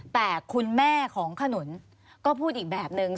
แต่คุณแม่ของขนุนก็พูดอีกแบบนึง